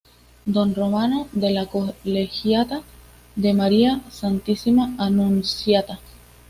Don Romano de la Colegiata de Maria Santissima Annunziata.